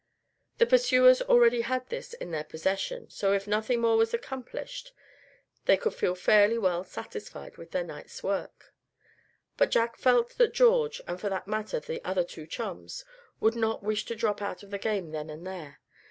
The pursuers already had this in their possession, so if nothing more were accomplished, they could feel fairly well satisfied with their night's work. But Jack felt that George, and for that matter the other two chums, would not wish to drop out of the game then and there.